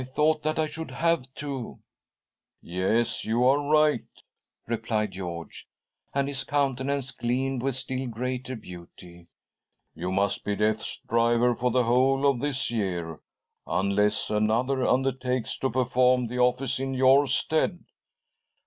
thought that I should have to "" Yes, you are right," replied George, and his countenance gleamed with still greater beauty. " You must be Death's driver for the whole of this year, unless another undertakes to perform the office in your stead."